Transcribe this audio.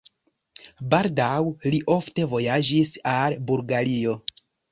Baldaŭ li ofte vojaĝis al Bulgario.